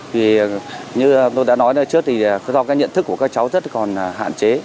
vì như tôi đã nói trước thì do cái nhận thức của các cháu rất còn hạn chế